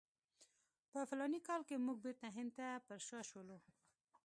په فلاني کال کې موږ بیرته هند ته پر شا شولو.